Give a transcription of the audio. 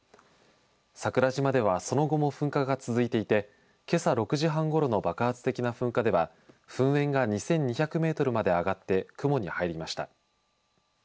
桜島ではその後も噴火が続いていてけさ６時半ごろの爆発的な噴火では噴煙が２２００メートルまで上がって雲に入りました。